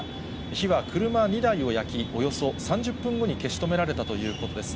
火は車２台を焼き、およそ３０分後に消し止められたということです。